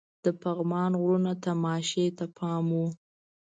د پغمان غرونو تماشې ته پام وو.